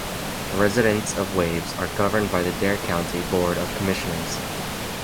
The residents of Waves are governed by the Dare County Board of Commissioners.